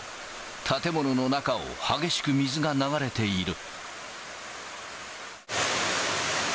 建物の中を激しく水が流れている。